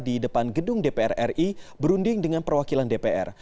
di depan gedung dpr ri berunding dengan perwakilan dpr